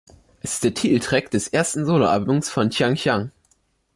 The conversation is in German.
Es ist der Titeltrack des ersten Soloalbums von Xiang Xiang.